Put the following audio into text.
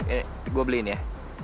ini gue beli ini ya